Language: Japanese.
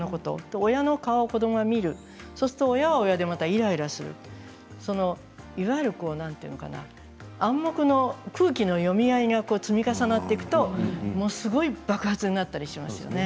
親の顔を子どもが見る親がまたイライラするいわゆる暗黙の空気の読み合いが積み重なっていくとものすごい爆発になったりしますね。